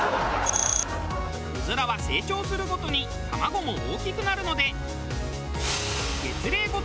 うずらは成長するごとに卵も大きくなるので。